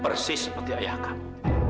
persis seperti ayah kamu